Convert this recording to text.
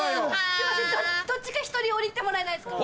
すいませんどっちか１人降りてもらえないですか？